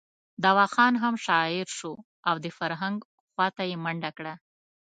دوا خان هم شاعر شو او د فرهنګ خواته یې منډه کړه.